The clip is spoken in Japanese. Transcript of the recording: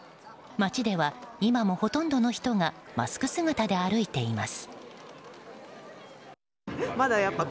街では今もほとんどの人がマスク姿で歩いています。